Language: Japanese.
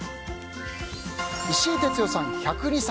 石井哲代さん、１０２歳。